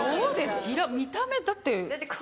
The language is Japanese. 見た目だって。